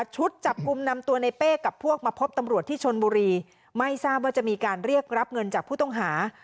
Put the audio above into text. ชุดจับกลุ่มนำตัวในเป้กับพวกมาพบตำรวจที่ชนบุรีไม่ทราบว่าจะมีการเรียกรับเงินจากผู้ต้องหา